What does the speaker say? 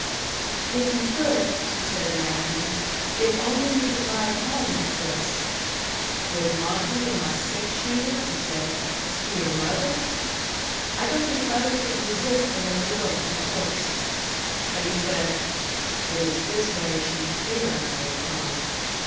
"If you could," she said, laughing. "If only you could ride home like this." "With Monte and my six shooter?" he asked. "To your mother?" "I don't think mother could resist the way you look on a horse." But he said, "It's this way she's fearing I will come."